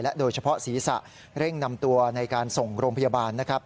โดยเฉพาะศีรษะเร่งนำตัวในการส่งโรงพยาบาลนะครับ